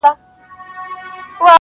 خو زه به بیا هم تر لمني انسان و نه نیسم~